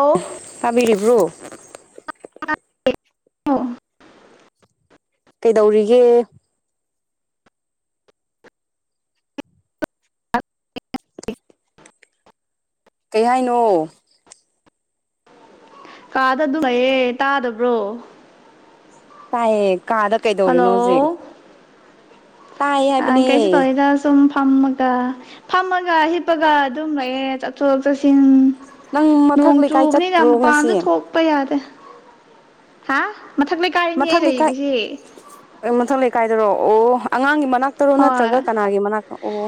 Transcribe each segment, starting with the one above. of ꯐꯥꯕꯤꯂꯤꯔꯤꯕ꯭ꯔꯣ ꯑꯣ ꯀꯩꯗꯧꯔꯤꯒꯦ ꯍ ꯀꯩ ꯍꯥꯏꯅꯣ ꯀꯥꯗ ꯑꯗꯨꯝ ꯂꯩꯌꯦ ꯇꯥꯗꯕ꯭ꯔꯣ ꯇꯥꯏꯌꯦ ꯀꯥꯗ ꯀꯩꯗꯧꯔꯤꯅꯣ ꯍꯨꯖꯤꯛ ꯑ ꯀꯩꯁꯨ ꯇꯧꯗꯦꯗ ꯁꯨꯝ ꯐꯝꯃꯒ ꯐꯝꯃꯒ ꯍꯤꯞꯄꯒ ꯑꯗꯨꯝ ꯂꯩꯑꯦ ꯆꯠꯊꯣꯛ ꯆꯠꯁꯤꯟ ꯅꯣꯡ ꯆꯨꯕꯅꯤꯅ ꯃꯄꯥꯟꯁꯨ ꯊꯣꯛ ꯄ ꯌꯥꯗ ꯍꯥ ꯃꯊꯛꯂꯩ ꯃꯊꯪ ꯂꯩꯀꯥꯏ ꯃꯊꯪ ꯂꯩꯀꯥꯏꯗꯔꯣ ꯑꯣ ꯑꯉꯥꯡꯒꯤ ꯃꯅꯥꯛ ꯇꯔꯣ ꯅꯠꯇ꯭ꯔꯒ ꯀꯅꯥꯒꯤ ꯃꯅꯥꯛꯇꯛ ꯑꯣ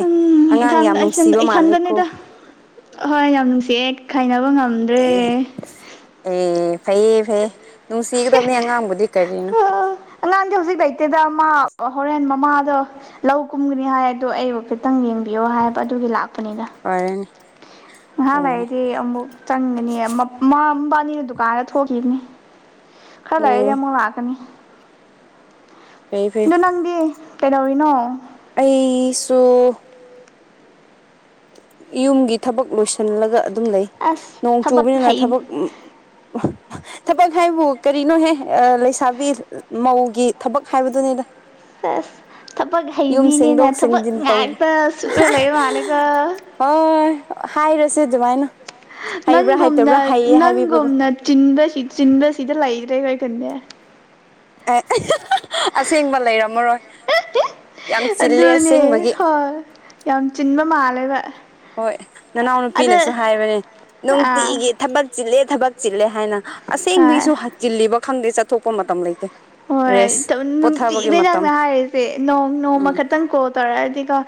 ꯎꯝ ꯏꯊꯟꯗꯅꯤꯗ ꯍꯣꯏ ꯉꯝꯁꯦ ꯈꯥꯏꯅꯕ ꯉꯝ ꯑꯦ ꯑꯦ ꯐꯩꯌꯦ ꯐꯩꯌꯦ ꯅꯨꯡꯁꯤꯒꯗꯕꯅꯤ ꯑꯉꯥꯡꯕꯨꯗꯤ ꯀꯔꯤꯅꯣ ꯑꯉꯥꯟꯗꯤ ꯍꯧꯖꯤꯛ ꯂꯩꯇꯦꯗ ꯃꯥ ꯍꯣꯔꯦꯟ ꯃꯃꯥꯗꯣ ꯂꯧ ꯀꯨꯝꯒꯅꯤ ꯍꯥꯏꯗꯣ ꯑꯩꯕꯨ ꯈꯤꯇꯪ ꯌꯦꯡꯕꯤꯌꯣ ꯍꯥꯏꯕ ꯑꯗꯨꯒꯤ ꯂꯥꯛꯄꯅꯤꯅ ꯐꯔꯦꯟ ꯉꯍꯛ ꯂꯥꯏꯔꯤꯗꯤ ꯑꯃꯨꯛ ꯆꯪꯒꯅꯤ ꯃ ꯃꯕꯥ ꯅꯤꯅ ꯗꯨꯀꯥꯟꯗ ꯊꯣꯛꯈꯤꯕꯅꯤ ꯈꯔ ꯂꯩꯔꯒ ꯑꯃꯨꯛ ꯂꯥꯛꯀꯅꯤ ꯗꯨ ꯅꯪꯗꯤ ꯀꯩꯗꯧꯔꯤꯅꯣ ꯑꯩ ꯁꯨ ꯌꯨꯝꯒꯤ ꯊꯕꯛ ꯂꯣꯏꯁꯤꯜꯂꯒ ꯑꯗꯨꯝ ꯂꯩ ꯅꯣꯡ ꯆꯨꯕꯅꯤꯅ ꯊꯕꯛ ꯎꯝ [unintelligible] ꯊꯕꯛ ꯍꯥꯏꯕꯨ ꯀꯔꯤꯅꯣꯍꯦ ꯑ ꯂꯩꯁꯥꯕꯤ ꯃꯧꯒꯤ ꯊꯕꯛ ꯍꯥꯏꯕꯗꯨꯅꯤꯗ ꯑꯁ ꯊꯕꯛ ꯍꯩꯕꯤꯅꯤꯅ ꯊꯕꯛ ꯉꯥꯛꯇ ꯁꯨꯔ ꯂꯩꯕ ꯃꯥꯜꯂꯦꯀꯣ ꯍꯣꯏ ꯍꯥꯏꯔꯁꯦ ꯗꯨꯃꯥꯏꯅ ꯅꯪꯒꯨꯝꯅ ꯅꯪꯒꯨꯝꯅ ꯆꯤꯟꯕ ꯆꯤꯟꯕꯁꯤꯗ ꯂꯩꯇ꯭ꯔꯦ ꯑꯩꯈꯣꯢ ꯈꯨꯟꯗꯤ ꯑꯦꯑꯍꯥꯍꯥ ꯑꯁꯦꯡꯕ ꯂꯩꯔꯝꯃꯔꯣꯏ ꯑꯗꯨꯅꯦ ꯍꯣꯏ ꯌꯥꯝ ꯆꯤꯟꯕ ꯃꯥꯜꯂꯦꯕ ꯍꯣꯏ ꯅꯅꯥꯎꯅꯨꯄꯤꯅꯁꯨ ꯍꯥꯏꯕꯅꯦ ꯅꯨꯡꯇꯤꯒꯤ ꯊꯕꯛ ꯆꯤꯜꯂꯦ ꯊꯕꯛ ꯆꯤꯜꯂꯦ ꯍꯥꯏꯅ ꯑꯁꯦꯡꯕꯁꯨ ꯍꯆꯤꯜꯂꯤꯕ ꯈꯪꯗꯦ ꯆꯠꯊꯣꯛꯄ ꯃꯇꯝ ꯂꯩꯇꯦ ꯍꯣꯏ ꯅꯨꯡꯇꯤꯕꯤ ꯅꯪꯅ ꯍꯥꯏꯔꯤꯁꯦ ꯅꯣꯡ ꯅꯣꯡꯃ ꯈꯛꯇꯪ ꯀꯣꯜ ꯇꯧꯔꯛꯑꯗꯤꯀꯣ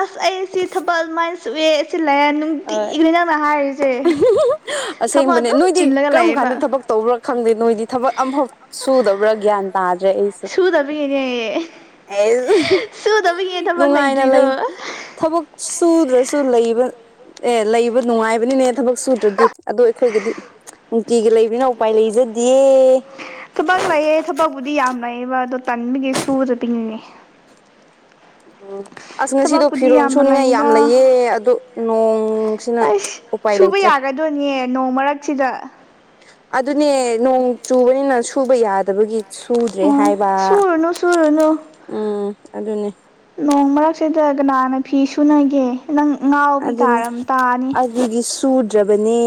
ꯑꯁ ꯑꯩꯁꯤ ꯊꯕꯥꯜ ꯃꯥꯏꯟ ꯁꯨꯢꯌꯦ ꯑꯁꯤ ꯂꯩꯌꯦ ꯅꯨꯡꯇꯤꯒꯤꯅꯤ ꯅꯪꯅ ꯍꯥꯏꯔꯤꯁꯦ ꯊꯕꯛ ꯑꯗꯨꯝ ꯆꯤꯟꯂꯒ ꯂꯥꯛꯌꯦꯕ ꯇꯧꯕ꯭ꯔꯥ ꯈꯪꯗꯦ ꯅꯣꯏꯗꯤ ꯊꯕꯛ ꯑꯃꯐꯥꯎ ꯁꯨꯗꯕ꯭ꯔꯥ ꯒ꯭ꯌꯥꯟ ꯇꯥꯗ꯭ꯔꯦ ꯑꯩ ꯁꯨ ꯑꯦꯖ ꯅꯨꯡꯉꯥꯏꯅ ꯂꯩ ꯊꯥꯕꯛ ꯁꯨꯗ꯭ꯔꯁꯨ ꯂꯩꯕ ꯑꯦ ꯂꯩꯕ ꯅꯨꯡꯉꯥꯏꯕꯅꯤꯅꯦ ꯊꯕꯛ ꯁꯨꯗ꯭ꯔꯗꯤ ꯑꯗꯣ ꯑꯩꯈꯣꯏꯒꯤꯗꯤ ꯅꯨꯡꯇꯤꯒꯤ ꯂꯩꯕꯅꯤꯅ ꯎꯄꯥꯏ ꯂꯩꯖꯗꯤꯌꯦ ꯊꯕꯛ ꯂꯩꯌꯦ ꯊꯕꯛꯄꯨꯨꯗꯤ ꯌꯥꯝ ꯂꯩꯌꯦꯕ ꯑꯗꯣ ꯇꯟꯕꯒꯤ ꯁꯨꯗꯕꯤꯅꯦ ꯎꯝ ꯑꯁ ꯉꯁꯤꯗꯣ ꯐꯤꯔꯣꯜ ꯁꯨꯅꯤꯡꯉꯥꯏ ꯌꯥꯝ ꯂꯩꯌꯦ ꯑꯗꯨ ꯅꯣꯡꯁꯤꯅ ꯎꯄꯥꯏ ꯂꯩꯇ꯭ꯔꯦ ꯑꯗꯨꯅꯦ ꯅꯣꯡ ꯃꯥꯔꯛꯁꯤꯗ ꯑꯗꯨꯅꯦ ꯅꯣꯡ ꯆꯨꯕꯅꯤꯅ ꯁꯨꯕ ꯌꯥꯗꯕꯒꯤ ꯁꯨꯗ꯭ꯔꯦ ꯍꯥꯏꯕ ꯎꯝ ꯑꯗꯨꯅꯦ ꯅꯣꯡ ꯃꯔꯛꯁꯤꯗ ꯀꯅꯥꯅ ꯐꯤ ꯁꯨꯅꯒꯦ ꯅꯪ ꯉꯥꯎꯕꯤ ꯇꯥꯔꯝ ꯇꯥꯅꯤ ꯑꯗꯨꯒꯤ ꯁꯨꯗ꯭ꯔꯕꯅꯦ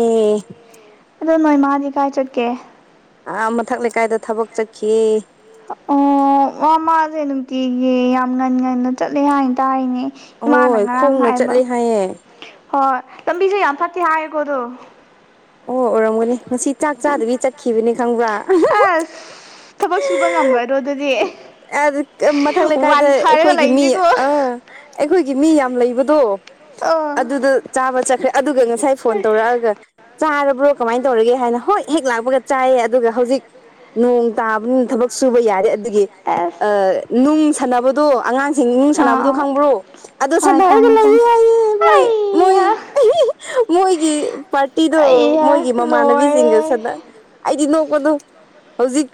ꯑꯗꯨ ꯅꯣꯏ ꯃꯥꯗꯤ ꯀꯥꯏ ꯆꯠꯀꯦ ꯑꯥ ꯃꯊꯛ ꯂꯩꯀꯥꯏꯗ ꯊꯕꯛ ꯆꯠꯈꯤꯌꯦ ꯑꯣ ꯃꯥꯃꯁꯦ ꯅꯨꯡꯇꯤꯒꯤ ꯌꯥꯝ ꯉꯟ ꯉꯟꯅ ꯆꯠꯂꯦ ꯍꯥꯏꯅ ꯇꯥꯢꯅꯦ ꯏꯃꯥꯅ ꯉꯔꯥꯡ ꯍꯥꯏꯕ ꯍꯣꯏ ꯂꯝꯕꯤꯁꯨ ꯌꯥꯝ ꯐꯠꯇꯦ ꯍꯥꯏꯌꯦꯀꯣ ꯑꯗꯨ ꯑꯣ ꯑꯣꯏꯔꯝꯒꯅꯤ ꯉꯁꯤ ꯆꯥꯛ ꯆꯥꯗꯕꯤ ꯆꯠꯈꯤꯕꯅꯤ ꯈꯪꯕ꯭ꯔꯥ ꯊꯕꯛ ꯁꯨꯕ ꯉꯝꯒꯗꯔꯣ ꯑꯗꯨꯗꯤ ꯑꯦ ꯑꯗ ꯃꯊꯛ ꯂꯩꯀꯥꯏꯗ ꯑꯩꯈꯣꯏꯒꯤ ꯃꯤ ꯑꯥ ꯑꯩꯈꯣꯏꯒꯤ ꯃꯤ ꯌꯥꯝ ꯂꯩꯕꯗꯣ ꯑꯗꯨꯗ ꯆꯥꯕ ꯆꯠꯈ꯭ꯔꯦ ꯑꯗꯨꯒ ꯉꯁꯥꯏ ꯐꯣꯟ ꯇꯧꯔꯛꯑꯒ ꯆꯥꯔꯕ꯭ꯔꯣ ꯀꯃꯥꯏ ꯇꯧꯔꯤꯒꯦ ꯍꯥꯏꯅ ꯍꯣꯏ ꯍꯦꯛ ꯂꯥꯛꯄꯒ ꯆꯥꯏꯑ‌ꯦ ꯑꯗꯨꯒ ꯍꯧꯖꯤꯛ ꯅꯣꯡ ꯇꯥꯕꯅꯤꯅ ꯊꯕꯛ ꯁꯨꯕ ꯌꯥꯗꯦ ꯑꯗꯨꯒꯤ ꯑꯥ ꯅꯨꯡ ꯁꯥꯟꯅꯕꯗꯣ ꯑꯉꯥꯡ [unintelligible] ꯅꯤꯡ ꯁꯥꯟꯅꯕꯗꯣ ꯈꯪꯕ꯭ꯔꯣ ꯑꯗꯣ ꯁꯅꯔꯒ ꯂꯩꯌꯦ ꯍꯥꯏꯌꯦ ꯃꯣꯏ ꯃꯣꯏ ꯃꯣꯏꯒꯤ ꯄꯥꯔ ꯇꯤꯗꯣ ꯃꯣꯏꯒꯤ ꯃꯃꯥꯟꯅꯕꯤꯁꯤꯡꯒ ꯁꯅꯥ ꯑꯩꯗꯤ ꯅꯣꯛꯄꯗꯣ ꯍꯧꯖꯤꯛ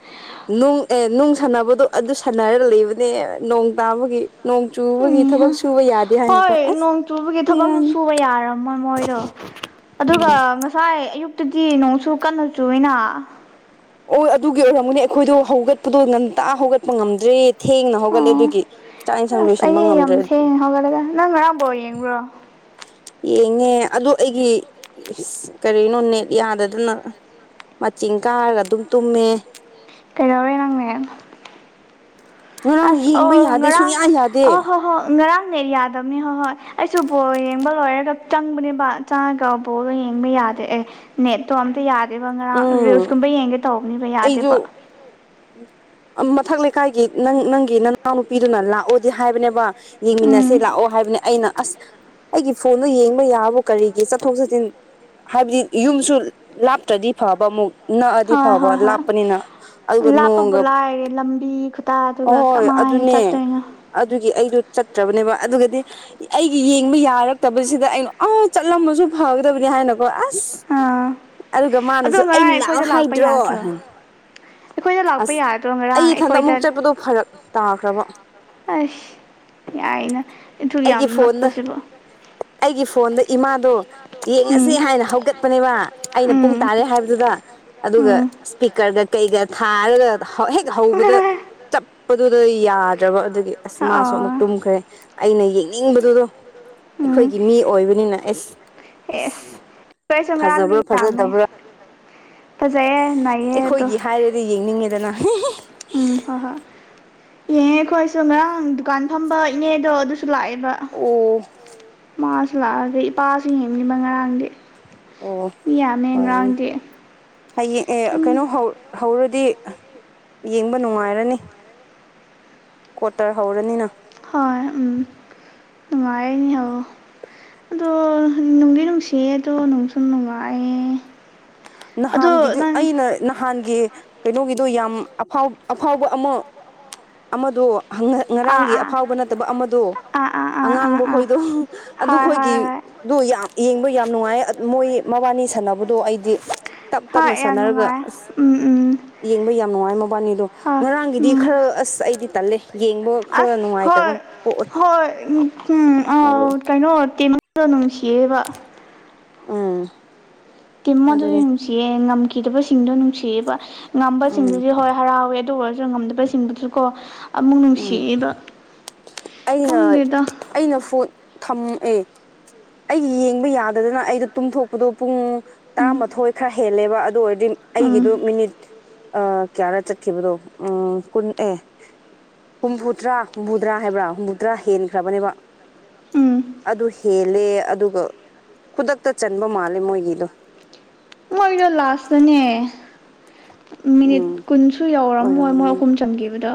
ꯅꯨꯡ ꯑꯦ ꯅꯨꯡ ꯁꯥꯟꯅꯕꯗꯣ ꯑꯗꯨ ꯁꯥꯟꯅꯔ ꯂꯩꯕꯅꯦ ꯅꯣꯡ ꯇꯥꯕꯒꯤ ꯅꯣꯡ ꯑꯍꯥ ꯍꯣꯏ ꯅꯣꯡ ꯆꯨꯕꯒꯤ ꯊꯕꯛꯁꯨ ꯁꯨꯕ ꯌꯥꯔꯝꯃꯣꯏ ꯃꯣꯏꯗꯣ ꯑꯗꯨꯒ ꯉꯁꯥꯏ ꯑꯌꯨꯛꯇꯒꯤ ꯅꯣꯡꯁꯨ ꯀꯟꯅ ꯆꯨꯢꯌꯦꯅ ꯑꯣꯏ ꯑꯗꯨꯒꯤ ꯑꯣꯏꯔꯝꯒꯅꯤ ꯑꯩꯈꯣꯏꯗꯣ ꯍꯧꯒꯠꯄꯗꯣ ꯉꯟꯇꯥ ꯍꯧꯒꯠꯄ ꯉꯝꯗ꯭ꯔꯦ ꯊꯦꯡꯅꯥ ꯍꯧꯒꯠꯂꯦ ꯑꯗꯨꯒꯤ ꯆꯥꯛ ꯌꯦꯟꯁꯥꯡ ꯂꯣꯏꯁꯤꯟꯕ ꯉꯝꯗ꯭ꯔꯦ ꯌꯦꯡꯉꯦ ꯑꯗꯨ ꯑꯩꯒꯤ ꯀꯔꯤꯅꯣ ꯅꯦꯠ ꯌꯗꯥꯗꯅ ꯃꯆꯤꯡ ꯀꯥꯔꯒ ꯑꯗꯨꯝ ꯇꯨꯝꯃꯦ ꯀꯩꯗꯧꯔꯦ ꯅꯪꯅ‌ꯦ ꯑꯁ ꯑꯣ ꯉꯔꯥꯡ ꯑꯣ ꯍꯣ ꯍꯣ ꯉꯔꯥꯡ ꯅꯦꯠ ꯌꯥꯗ ꯗꯝꯅꯤ ꯍꯣꯏ ꯍꯣꯏ ꯑꯩꯁꯨ ꯕꯣꯜ ꯌꯦꯡꯕ ꯂꯣꯏꯔꯒ ꯆꯪꯕꯅꯦꯕ ꯆꯪꯉꯒ ꯕꯣꯜꯗ‌ꯣ ꯌꯦꯡꯕ ꯌꯥꯗꯦ ꯑꯦ ꯅꯦꯠꯇꯣ ꯑꯝꯇ ꯌꯥꯗꯦꯕ ꯉꯔꯥꯡ ꯔꯤꯜꯁꯀꯨꯝꯕ ꯌꯦꯡꯒꯦ ꯇꯧꯕꯅꯦꯕ ꯌꯥꯗꯦꯕ ꯃꯊꯛ ꯂꯩꯀꯥꯏꯒꯤ ꯅꯪ ꯅꯪꯒꯤ ꯅꯅꯥꯎꯅꯨꯄꯤꯗꯨꯅ ꯂꯥꯛꯑꯣꯗꯤ ꯍꯥꯏꯕꯅꯦꯕ ꯌꯦꯡꯃꯤꯟꯅꯁꯦ ꯂꯥꯛꯑꯣ ꯍꯥꯏꯕꯅꯦ ꯑꯩꯅ ꯑꯁ ꯑꯩꯒꯤ ꯐꯣꯟꯗꯣ ꯌꯦꯡꯕ ꯌꯥꯕꯣ ꯀꯔꯤꯒꯤ ꯆꯠꯊꯣꯛ ꯆꯠꯁꯤꯟ ꯍꯥꯏꯕꯗꯤ ꯌꯨꯝꯁꯨ ꯂꯥꯞꯇ꯭ꯔꯗꯤ ꯐꯕ ꯑꯃꯨꯛ ꯅꯛꯑꯗꯤ ꯐꯕ ꯂꯥꯞꯄꯅꯤꯅ ꯑꯗꯨꯒ ꯅꯣꯡꯒ ꯑꯍꯣꯏ ꯑꯗꯨꯅꯦ ꯑꯗꯨꯒꯤ ꯑꯩꯗꯣ ꯆꯠꯇ꯭ꯔꯕꯅꯦꯕ ꯑꯗꯨꯒꯗꯤ ꯑꯩꯒꯤ ꯌꯦꯡꯕ ꯌꯥꯔꯛꯇꯕꯁꯤꯗ ꯑꯩꯅ ꯑꯥ ꯆꯠꯂꯝꯃꯁꯨ ꯐꯒꯗꯕꯅꯤ ꯍꯥꯏꯅ ꯑꯣ ꯑꯁ ꯑꯗꯨꯒ ꯃꯥꯅꯁꯨ ꯑꯩꯅ ꯂꯥꯛꯑꯣ ꯍꯥꯏꯗ꯭ꯔꯣ ꯍꯪ ꯑꯁ ꯑꯩ ꯏꯊꯟꯗ ꯑꯃꯨꯛ ꯆꯠꯄꯗꯣ ꯐꯔꯛ ꯇꯥꯈ꯭ꯔꯕ ꯑꯁ ꯌꯥꯏꯅ ꯑꯗꯨꯛ ꯌꯥꯝ ꯅꯛꯄꯁꯤꯕꯨ ꯑꯩꯒꯤ ꯐꯣꯟꯗ ꯏꯃꯥ ꯗꯣ ꯌꯦꯡꯉꯁꯤ ꯍꯥꯏꯅ ꯍꯧꯒꯠꯄꯅꯦꯕ ꯑꯩꯅ ꯄꯨꯡ ꯇꯥꯔꯦ ꯍꯥꯏꯕꯗꯨꯗ ꯑꯗꯨꯒ ꯏꯁꯄꯤꯀꯔꯒ ꯀꯩꯒ ꯊꯥꯔꯒ ꯍꯧ ꯍꯦꯛ ꯍꯧꯕꯗ ꯆꯞꯄꯗꯨꯗ ꯌꯥꯗ꯭ꯔꯕ ꯑꯗꯨꯒꯤ ꯑꯁ ꯃꯥꯁꯨ ꯑꯃꯨꯛ ꯇꯨꯝꯈ꯭ꯔꯦ ꯑꯩꯅ ꯌꯦꯡꯅꯤꯡꯕꯗꯨꯗꯣ ꯑꯩꯈꯣꯏꯒꯤ ꯃꯤ ꯑꯣꯏꯕꯅꯤꯅ ꯑꯦꯁ ꯐꯖꯕ꯭ꯔꯥ ꯐꯖꯗꯕ꯭ꯔꯥ ꯑꯩꯈꯣꯏꯒꯤ ꯍꯥꯏꯔꯗꯤ ꯌꯦꯡꯅꯤꯡꯉꯦꯗꯅ ꯎꯝ ꯍꯣꯏ ꯍꯣꯏ ꯌꯦꯡꯉꯦ ꯑꯩꯈꯣꯏꯁꯨ ꯉꯔꯥꯡ ꯗꯨꯀꯥꯟ ꯐꯝꯕ ꯏꯅꯦꯗꯣ ꯑꯗꯨ ꯁꯨ ꯂꯥꯛꯑꯦꯕ ꯃꯥꯁꯨ ꯂꯥꯛꯑꯒ ꯏꯄꯥꯁꯨ ꯌꯦꯡꯅꯤꯕ ꯉꯔꯥꯡꯗꯤ ꯑꯣ [unintelligible] ꯍꯌꯦꯡ ꯑꯦ ꯀꯩꯅꯣ ꯍꯧ ꯍꯧꯔꯗꯤ ꯌꯦꯡꯕ ꯅꯨꯡꯉꯥꯏꯔꯅꯤ ꯀ꯭ꯋꯥꯇꯔ ꯍꯧꯔꯅꯤꯅ ꯍꯣꯏ ꯎꯝ ꯅꯨꯡꯉꯥꯏꯔꯅꯤ ꯍ‌ꯧ ꯑꯗꯣ ꯅꯨꯡꯗꯤ ꯅꯨꯡꯁꯤꯌꯦ ꯑꯗꯣ ꯅꯨꯡꯁꯨ ꯅꯨꯡꯉꯥꯏꯌꯦ ꯅꯍꯥꯟꯒꯤꯗꯨ ꯑꯩꯅ ꯅꯍꯥꯟꯒꯤ ꯀꯩꯅꯣꯒꯤꯗꯣ ꯌꯥꯝ ꯑꯐꯥꯎ ꯑꯐꯥꯎꯕ ꯑꯃ ꯑꯃꯗ‌ꯣ ꯍꯪꯉ ꯉꯔꯥꯡꯒꯤ ꯑꯐꯥꯎꯕ ꯅꯠꯇꯕ ꯑꯃꯗꯣ ꯑꯉꯥꯡꯕ ꯈꯣꯏꯗꯣ ꯑꯗꯨ ꯈꯣꯏꯒꯤ ꯑꯗꯨ ꯌꯥꯝ ꯌꯦꯡꯕ ꯌꯥꯝ ꯅꯨꯡꯉꯥꯏ ꯃꯣꯏ ꯃꯕꯥꯅꯤ ꯁꯥꯟꯅꯕꯗꯣ ꯑꯩꯗꯤ ꯇꯞ ꯇꯞꯅ ꯁꯥꯟꯅꯔꯒ ꯑꯁ ꯌꯦꯡꯕ ꯌꯥꯝ ꯅꯨꯡꯉꯥꯏ ꯃꯕꯥꯅꯤꯗꯣ ꯉꯔꯥꯡꯒꯤꯗꯤ ꯈꯔ ꯑꯁ ꯑꯩꯗꯤ ꯇꯜꯂꯦ ꯌꯦꯡꯕ ꯈꯔ ꯅꯨꯡꯉꯥꯏꯇꯒꯨꯝ ꯍꯣꯏ ꯎꯝ ꯀꯩꯅꯣ ꯇꯦꯝꯗꯣ ꯅꯨꯡꯁꯤꯌꯦꯕ ꯎꯝ ꯇꯤꯝꯃ ꯗꯨꯗꯤ ꯅꯨꯡꯁꯤꯌꯦ ꯉꯝꯈꯤꯗꯕꯁꯤꯡꯗꯣ ꯅꯨꯡꯁꯤꯌꯦꯕ ꯉꯝꯕꯁꯤꯡꯗꯨꯗꯤ ꯍꯣꯏ ꯍꯔꯥꯎꯋꯦ ꯑꯗꯨ ꯑꯣꯏꯔꯁꯨ ꯉꯝꯗꯕꯁꯤꯡꯗꯨꯁꯨꯀꯣ ꯑꯃꯨꯛ ꯅꯨꯡꯁꯤꯑꯦꯕ ꯑꯩꯅ ꯑꯩꯅ ꯐꯨꯠ ꯊꯥꯝ ꯑꯦ ꯑꯩꯒꯤ ꯌꯦꯡꯕ ꯌꯥꯗꯗꯅ ꯑꯩꯗꯣ ꯇꯨꯝꯊꯣꯛꯄꯗꯣ ꯄꯨꯡ ꯇꯔꯥꯃꯥꯊꯣꯏ ꯈꯔ ꯍꯦꯜꯂꯦꯕ ꯑꯗꯨ ꯑꯣꯏꯔꯗꯤ ꯑꯩꯒꯤꯗꯣ ꯃꯤꯅꯤꯠ ꯀꯌꯥꯔꯥ ꯆꯠ ꯈꯤꯕꯗꯣ ꯎꯝ ꯀꯨꯟ ꯑꯦ ꯍꯨꯝꯐꯨꯇꯔꯥ ꯍꯨꯝꯐꯨꯇꯔꯥ ꯍꯥꯏꯕ꯭ꯔꯥ ꯍꯨꯝꯐꯨꯇꯔꯥ ꯍꯦꯟꯈ꯭ꯔꯕꯅꯦꯕ ꯑꯗꯨ ꯍꯦꯜꯂꯦ ꯑꯗꯨꯒ ꯈꯨꯗꯛꯇ ꯆꯟꯕ ꯃꯥꯜꯂꯦ ꯃꯣꯏꯒꯤꯗꯣ ꯃꯣꯏꯗꯣ ꯂꯥꯁꯇꯅꯦ ꯃꯤꯅꯤꯠ ꯀꯨꯟꯁꯨ ꯌꯧꯔꯝꯃꯣꯏ ꯃꯣꯏ ꯑꯍꯨꯝ ꯆꯟꯈꯤꯕꯗꯣ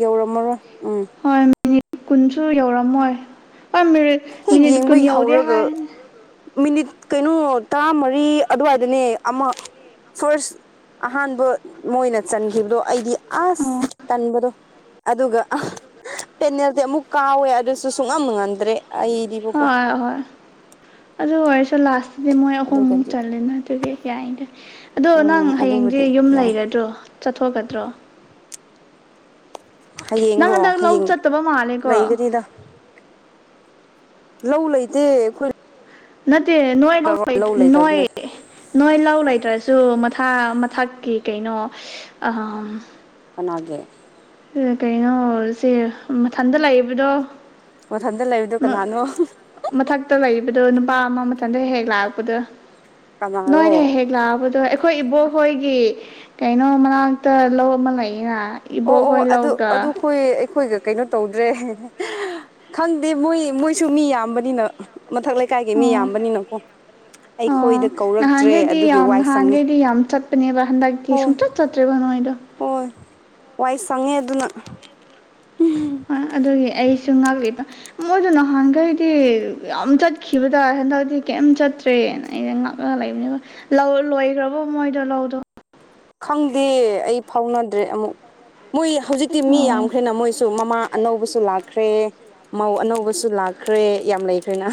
ꯌꯧꯔꯝꯃꯔꯣꯏ ꯎꯝ ꯍꯣꯏ ꯃꯤꯅꯤꯠ ꯀꯨꯟꯁꯨ ꯌꯧꯔꯝꯃꯣꯏ ꯑꯦ ꯃꯤꯔꯤꯠ ꯃꯤꯅꯤꯠ ꯀꯨꯟ ꯌꯧꯗꯦ ꯍꯥꯏ ꯃꯤꯅꯤꯠ ꯀꯩꯅꯣ ꯇꯔꯥꯃꯔꯤ ꯑꯗꯨꯋꯥꯏꯗꯅꯦ ꯑꯃ ꯐꯥꯔꯁ ꯑꯍꯥꯟꯕ ꯃꯣꯏꯅ ꯆꯟꯈꯤꯕꯗꯣ ꯑꯩꯗꯤ ꯑꯁ ꯇꯟꯕꯗꯣ ꯑꯗꯨꯒ ꯄꯦꯅꯦꯜꯇꯤ ꯑꯃꯨꯛ ꯀꯥꯎꯋꯦ ꯑꯗꯨꯁꯨ ꯁꯨꯡꯉꯝ ꯉꯝꯗ꯭ꯔꯦ ꯑꯩꯗꯤ ꯍꯣꯢ ꯍꯣꯏ ꯑꯗꯨ ꯑꯣꯏꯁꯨ ꯂꯥꯁ ꯑꯗꯩ ꯃꯣꯏ ꯑꯍꯨꯝꯃꯨꯛ ꯆꯠꯂꯦꯅ ꯑꯗꯨꯗꯤ ꯌꯥꯢꯗ ꯑꯗꯣ ꯅꯪ ꯍꯌꯦꯡꯗꯤ ꯌꯨꯝ ꯂꯩꯒꯗ꯭ꯔꯣ ꯆꯠꯊꯣꯛꯀꯗ꯭ꯔꯣ ꯅꯪ ꯍꯟꯗꯛ ꯂꯧ ꯆꯠꯇꯕ ꯃꯥꯜꯂꯦꯀꯣ ꯂꯧ ꯂꯩꯇꯦ ꯑꯩꯈꯣꯏ ꯅꯠꯇꯦ ꯅꯣꯏ ꯄꯩ ꯅꯣꯏ ꯂꯧ ꯂꯩꯇ꯭ꯔꯁꯨ ꯃꯊꯥ ꯃꯊꯛꯀꯤ ꯀꯩꯅꯣ ꯀꯅꯥꯒꯤ ꯀꯩꯅꯣꯁꯦ ꯃꯊꯟꯗ ꯂꯩꯕꯗꯣ ꯃꯊꯟꯇ ꯂꯩꯕꯗꯣ ꯀꯅꯥꯅꯣ ꯃꯊꯛꯇ ꯂꯩꯕꯗꯣ ꯅꯨꯄꯥ ꯑꯃ ꯃꯊꯟꯇ ꯍꯦꯛ ꯂꯥꯛꯄꯗꯣ ꯅꯣꯏꯗ ꯍꯦꯛ ꯂꯛꯕꯗꯣ ꯑꯩꯈꯣꯏ ꯏꯕꯣꯛ ꯍꯣꯏꯒꯤ ꯀꯩꯅꯣ ꯃꯅꯥꯛꯇ ꯂꯧ ꯑꯃ ꯂꯩꯌꯦꯅ ꯑꯣ ꯑꯣ ꯑꯗꯨ ꯑꯗꯨ ꯑꯩꯈꯣꯏ ꯑꯩꯈꯣꯏꯒ ꯀꯩꯅꯣ ꯇꯧꯗ꯭ꯔꯦ ꯈꯪꯗꯦ ꯃꯣꯏ ꯃꯣꯏꯁꯨ ꯃꯤ ꯌꯥꯝꯕꯅꯤꯅ ꯃꯊꯛ ꯂꯩꯀꯥꯏꯒꯤ ꯃꯤ ꯌꯥꯝꯕꯅꯤꯅꯀꯣ ꯑꯣ ꯅꯍꯥꯟꯈꯩꯗꯤ ꯌꯥꯝ ꯅꯍꯥꯟꯈꯩꯗꯤ ꯌꯥꯝ ꯆꯠꯄꯅꯦꯕ ꯍꯟꯗꯛꯇꯤ ꯁꯨꯡꯆꯠ ꯆꯠ ꯆꯠꯇ꯭ꯔꯦꯕꯥ ꯅꯣꯢꯗꯣ ꯍꯣꯏ ꯋꯥꯏ ꯁꯪꯉꯦ ꯑꯗꯨꯅ ꯑꯗꯨꯒꯤ ꯑꯩꯁꯨ ꯉꯥꯛꯂꯤꯕ ꯃꯣꯏꯗꯨ ꯅꯍꯥꯟꯈꯩꯗꯤ ꯌꯥꯝ ꯆꯠꯈꯤꯕꯗꯤꯢ ꯍꯟꯗꯛꯇꯤ ꯀꯩꯝ ꯆꯠ ꯆꯠꯇ꯭ꯔꯦꯅ ꯑꯩꯅ ꯉꯥꯛꯂꯒ ꯂꯩꯕꯅꯦꯕ ꯂꯧ ꯂꯣꯏꯈ꯭ꯔꯕꯣ ꯃꯣꯏꯗꯣ ꯂꯧꯗꯣ ꯈꯪꯗꯦ ꯑꯩ ꯐꯥꯎꯅꯗ꯭ꯔꯦ ꯑꯃꯨꯛ ꯃꯣꯏ ꯍꯧꯖꯤꯛꯇꯤ ꯃꯤ ꯌꯥꯝꯈ꯭ꯔꯦꯅ ꯃꯣꯏꯁꯨ ꯃꯃꯥ ꯑꯅꯧꯕꯁꯨ ꯂꯥꯛꯈ꯭ꯔꯦ ꯃꯧ ꯑꯅꯧꯕꯁꯨ ꯂꯥꯛꯈ꯭ꯔꯦ ꯌꯥꯝ ꯂꯩꯈ꯭ꯔꯦꯅ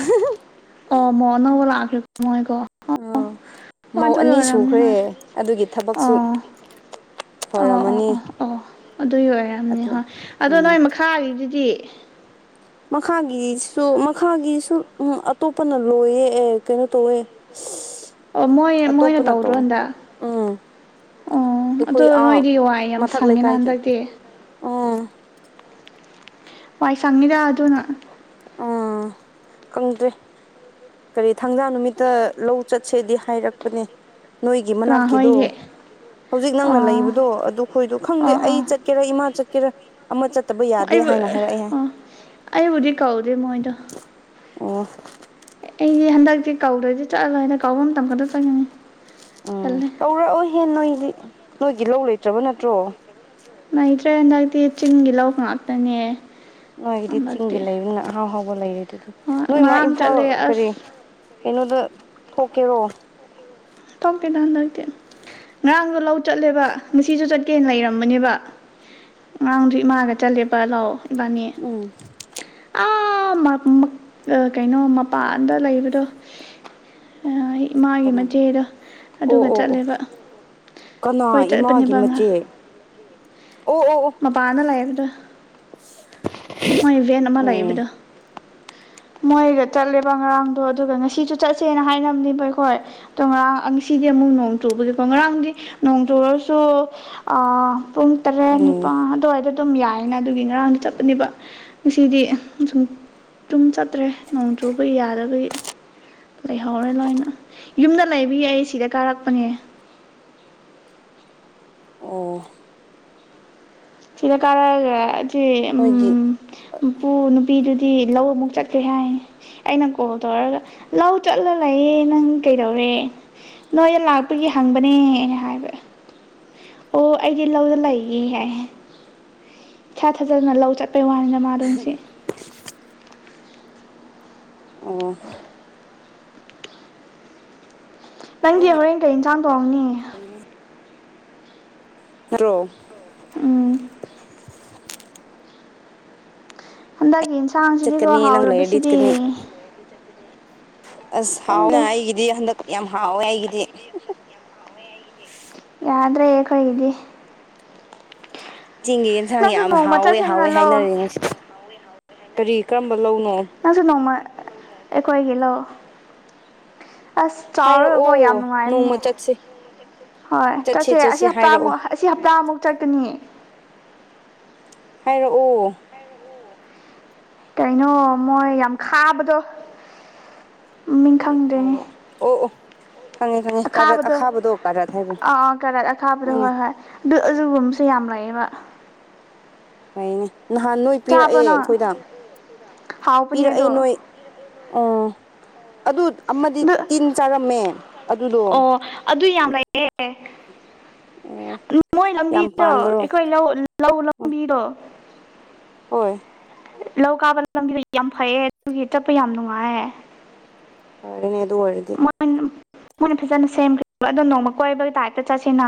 ꯑꯣ ꯃꯧ ꯑꯅꯧꯕ ꯂꯥꯛꯈ꯭ꯔꯦꯀꯣ ꯃꯣꯏꯀꯣ ꯑꯣ ꯃꯧ ꯑꯅꯤ ꯁꯨꯈ꯭ꯔꯦ ꯑꯗꯨꯒꯤ ꯊꯕꯛꯁꯨ ꯑꯣ ꯑꯣ ꯑꯣ ꯑꯣ ꯑꯗꯨꯒꯤ ꯑꯣꯏꯔꯝꯅꯤ ꯍꯣꯏ ꯑꯗꯣ ꯅꯣꯏꯃꯛ ꯈꯥꯔꯤꯁꯤꯗꯤ ꯃꯈꯥꯒꯤꯁꯨ ꯃꯈꯥꯒꯤꯁꯨ ꯎꯝ ꯑꯇꯣꯞꯄꯅ ꯂꯣꯏꯌꯦ ꯑꯦ ꯀꯩꯅꯣ ꯇꯧꯋꯦ ꯑꯣ ꯃꯣꯏ ꯃꯣꯏꯅ ꯇꯧꯗ꯭ꯔꯣ ꯍꯟꯗꯛ ꯑꯣ ꯑꯗꯨ ꯅꯣꯏꯗꯤ ꯋꯥꯏ ꯌꯥꯝ ꯁꯪꯉꯦꯅ ꯍꯟꯗꯛꯇꯤ ꯋꯥꯏ ꯁꯪꯅꯤꯗ ꯑꯗꯨꯅ ꯑꯥ ꯈꯪꯗꯦ ꯀꯔꯤ ꯊꯥꯡꯖꯥ ꯅꯨꯃꯤꯠꯇ ꯂꯧ ꯆꯠꯁꯦꯗꯤ ꯍꯥꯏꯔꯛꯄꯅꯦ ꯅꯣꯏꯒꯤ ꯃꯅꯥꯛꯀꯤꯗꯣ ꯍꯧꯖꯤꯛ ꯅꯪꯅ ꯂꯩꯕꯗꯣ ꯑꯗꯨ ꯈꯣꯏꯗꯣ ꯈꯪꯗꯦ ꯑꯩ ꯆꯠ ꯆꯠꯀꯦꯔꯥ ꯢꯃꯥ ꯆꯠ ꯀꯦꯔꯥ ꯑꯃ ꯆꯠꯇꯕꯩ ꯑꯩꯕꯨ ꯑꯣ ꯑꯩꯕꯨꯗꯤ ꯀꯧꯗꯦ ꯃꯣꯏꯗ ꯑꯣ ꯑꯩꯗꯤ ꯍꯟꯗꯛꯇꯤ ꯀꯧꯗ꯭ꯔꯣꯏꯗꯤ ꯆꯠꯂꯣꯏ ꯍꯥꯏꯅ ꯀꯧꯕꯥꯎ ꯃꯇꯝ ꯈꯛꯇ ꯆꯪꯉꯤꯅꯤ ꯎꯝ ꯀꯧꯔꯛꯑꯣꯍꯦꯟ ꯅꯣꯏꯗꯤ ꯅꯣꯏꯒꯤ ꯂꯧ ꯂꯩꯇ꯭ꯔꯕ ꯅꯠꯇ꯭ꯔꯣ ꯂꯩꯇ꯭ꯔꯦ ꯍꯟꯗꯛꯇꯤ ꯆꯤꯡꯒꯤ ꯂꯧ ꯉꯥꯛꯇꯅꯦ ꯅꯣꯏꯒꯤꯗꯤ ꯆꯤꯡꯒꯤ ꯂꯩꯕꯅꯤꯅ ꯑꯍꯥꯎ ꯍꯥꯎꯕ ꯂꯩꯔꯤꯗꯨꯗꯤ ꯅꯣꯏ ꯃꯥ ꯏꯝꯐꯥꯜ ꯀꯔꯤ ꯀꯩꯅꯣꯗ ꯊꯣꯛꯀꯦꯔꯣ ꯊꯣꯛꯇꯦꯗꯥ ꯍꯟꯗꯛꯇꯤ ꯉꯔꯥꯡꯗꯣ ꯂꯧ ꯆꯠꯂꯦꯕ ꯉꯁꯤꯁꯨ ꯆꯠꯀꯦꯅ ꯂꯩꯔꯝꯕꯅꯦꯕ ꯑꯉꯥꯡꯗꯣ ꯏꯃꯥꯒ ꯆꯠꯂꯦꯕ ꯂꯧ ꯏꯕꯥꯅꯤ ꯎꯝ ꯑ ꯀꯩꯅꯣ ꯃꯄꯥꯟꯗ ꯂꯩꯕꯗꯣ ꯏꯃꯥꯒꯤ ꯃꯆꯦꯗ ꯑꯣ ꯑꯣ ꯑꯣ ꯀꯅꯥ ꯏꯃꯥꯒꯤ ꯃꯆꯦ ꯑꯣ ꯑꯣ ꯃꯄꯥꯟꯗ ꯂꯩꯥꯏ [inaudible] [unintelligible] ꯑꯣꯏ ꯕꯦꯟ ꯑꯃ ꯑꯃ ꯂꯩꯏꯕꯗꯣ ꯃꯣꯏꯒ ꯆꯠꯂꯦꯕ ꯉꯔꯥꯡꯗꯣ ꯑꯗꯨꯒ ꯉꯁꯤꯁꯨ ꯆꯠꯁꯦꯅ ꯍꯥꯏꯅꯕꯅꯦꯕ ꯑꯩꯈꯣꯏ ꯑꯣ ꯉꯔꯥꯡꯁꯤꯗꯤ ꯑꯃꯨꯛ ꯅꯣꯡ ꯇꯨꯕꯗꯤꯀꯣ ꯉꯔꯥꯡꯗꯤ ꯅꯣꯡ ꯇꯨꯨꯔꯁꯨ ꯑꯥ ꯄꯨꯡ ꯇꯔꯦꯠ ꯅꯤꯄꯥꯜ ꯑꯗꯨꯋꯥꯏꯗ ꯑꯗꯨꯝ ꯌꯥꯏꯅ ꯑꯗꯨꯒꯤ ꯉꯔꯥꯡꯗ ꯆꯠꯄꯅꯦꯕ ꯉꯁꯤꯗꯤ ꯁꯨꯝ ꯁꯨꯝ ꯆꯠꯇ꯭ꯔꯦ ꯅꯣꯡ ꯆꯨꯕ ꯌꯥꯗꯕꯒꯤ ꯂꯩꯍꯧꯔꯦ ꯂꯣꯏꯅ ꯌꯨꯝꯗ ꯂꯩꯕꯒꯤ ꯑꯩ ꯁꯤꯗ ꯀꯥꯔꯛꯄꯅꯦ ꯑꯣ ꯁꯤꯗ ꯀꯔꯛꯑꯒ ꯎꯝ ꯄꯨ ꯅꯨꯄꯤꯗꯨꯗꯤ ꯂꯧ ꯑꯃꯨꯛ ꯆꯠꯀꯦ ꯍꯥꯏ ꯑꯩꯅ ꯀꯣꯜ ꯇꯧꯔꯒ ꯂꯧ ꯆꯠꯂ ꯂꯩꯥꯌꯦ ꯅꯪ ꯀꯩꯗꯧꯔꯦ ꯅꯣꯏꯗ ꯂꯥꯛꯄꯒꯤ ꯍꯪꯕꯅꯦ ꯑꯩꯅ ꯍꯥꯏꯕ ꯑꯣ ꯑꯩꯗꯤ ꯂꯧꯗ ꯂꯩꯑꯦꯍꯥꯏ ꯏꯁꯥ ꯊꯥꯖꯗꯅ ꯂꯧ ꯆꯠꯄꯩ ꯋꯥꯅꯤꯅ ꯃꯥꯗꯣ ꯉꯁꯤ ꯑꯣ ꯅꯪꯒꯤ ꯍꯣꯔꯦꯟ ꯀꯩ ꯌꯦꯟꯁꯥꯡ ꯇꯣꯡꯅꯤ ꯇꯔꯣ ꯎꯝ ꯍꯟꯗꯛꯀꯤ ꯌꯦꯟꯁꯥꯡꯁꯤꯗꯤꯀꯣ ꯍꯥꯎꯔꯕꯁꯤꯗꯤ ꯑꯁ ꯍꯥꯎꯦ ꯑꯩꯒꯤꯗꯤ ꯍꯟꯗꯛ ꯌꯥꯝ ꯍꯥꯎꯋꯦ ꯑꯩꯒꯤꯗꯤ ꯌꯥꯗ꯭ꯔꯦ ꯑꯩꯈꯣꯏꯒꯤꯗꯤ ꯆꯦꯡꯒꯤ ꯌꯦꯟꯁꯥꯡ ꯌꯥꯝꯅ ꯍꯥꯎꯋꯦ ꯍꯥꯎꯋꯦ ꯍꯥꯏꯅꯔꯦ ꯉꯁꯤ ꯀꯔꯤ ꯀꯔꯝꯕ ꯂꯧꯅꯣ ꯅꯪꯁꯨ ꯅꯣꯡꯃ ꯑꯩꯈꯣꯏꯒꯤ ꯂꯥꯛꯑꯣ ꯑꯁ ꯆꯥꯎꯔꯀꯣ ꯌꯥꯝ ꯅꯨꯡꯉꯥꯏꯕꯅꯦ ꯍꯣꯏ ꯆꯠꯁꯦ ꯑꯁꯤ ꯍꯞꯇꯥꯃꯨꯛ ꯑꯁꯤ ꯍꯞꯇꯥꯃꯨꯛ ꯆꯠꯀꯅꯤꯌꯦ ꯍꯥꯏꯔꯛꯑꯣ ꯀꯩꯅꯣ ꯃꯣꯏ ꯌꯥꯝ ꯈꯥꯕꯗꯣ ꯇ ꯈꯥꯕ ꯑꯣ ꯑꯣ ꯑꯈꯥꯕꯗ ꯑ ꯀꯔꯔ ꯑꯈꯥꯕ ꯍꯣꯏ ꯍꯣꯏ ꯑꯗꯨ ꯑꯗꯨꯒꯨꯝꯕꯁꯨ ꯌꯥꯝ ꯂꯥꯛꯑꯦꯕ ꯐꯩꯅꯦ ꯅꯍꯥꯟ ꯅꯣꯏ ꯄꯤꯔꯛꯑꯦ ꯑꯩꯈꯣꯏꯗ ꯄꯤꯔꯛꯑꯦ ꯅꯣꯏ ꯎꯥ ꯑꯗꯨ ꯑꯃꯗꯤ ꯇꯤꯟ ꯆꯥꯔꯝꯃꯦ ꯑꯗꯨꯗꯣ ꯑꯣ ꯌꯥꯝ ꯄꯥꯟꯕꯔꯣ ꯂꯧ ꯂꯧꯕꯕꯤꯔꯣ ꯍꯣꯏ ꯂꯧ ꯀꯥꯕ ꯂꯝ ꯂꯝꯕꯤꯗ ꯌꯥꯝ ꯐꯩꯌꯦ ꯑꯗꯨꯒꯤ ꯆꯠꯄ ꯌꯥꯝ ꯅꯨꯡꯉꯥꯏ ꯍꯔꯅꯦ ꯑꯗꯨ ꯑꯣꯏ ꯃꯣꯏꯅ ꯐꯖꯅ ꯁꯦꯝꯈ꯭ꯔꯦꯕ ꯑꯗꯣ ꯅꯣꯡꯃ ꯀꯣꯏꯕꯒꯤ ꯇꯥꯏꯞꯇ ꯆꯠꯁꯤꯅ